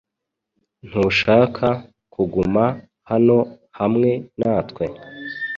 Ntushaka kuguma hano hamwe natwe?